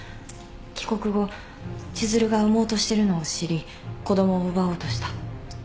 帰国後千寿留が産もうとしてるのを知り子供を奪おうとした。